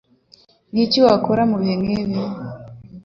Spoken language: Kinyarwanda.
Niki wakora mubihe nkibi?